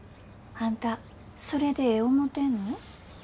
あんたそれでええ思てんの？